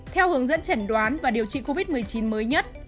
theo hướng dẫn chẩn đoán và điều trị covid một mươi chín mới nhất